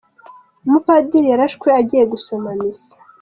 Umupadiri yarashwe agiye gusoma misa